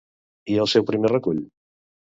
I el seu primer recull?